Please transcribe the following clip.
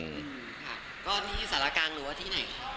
ค่ะก็ที่สารกลางหรือว่าที่ไหน